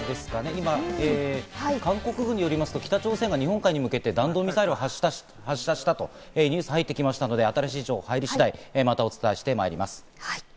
今、韓国によりますと北朝鮮が日本海に向けて弾道ミサイルを発射したというニュースが入ってきましたので、新しい情報が入り次第、またお伝えしてまいります。